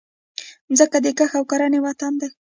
مځکه د کښت او کرنې وطن دی.